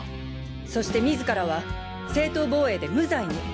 そして自らは正当防衛で無罪に。